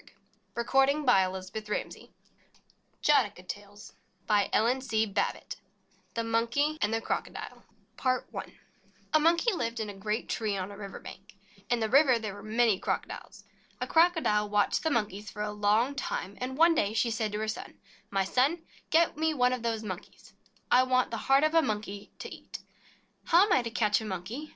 Kill Jataka Tales Jataka Tales THE MONKEY AND THE CROCODILE PART I A MONKEY lived in a great tree on a river bank. In the river there were many Crocodiles. A Crocodile watched the Monkeys for a long time, and one day she said to her son : "My son, get one of those Monkeys for me. I want the heart of a Monkey to eat." "How am I to catch a Monkey?"